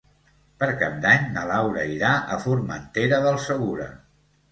Per Cap d'Any na Laura irà a Formentera del Segura.